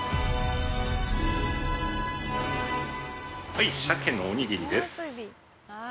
はいさけのおにぎりです。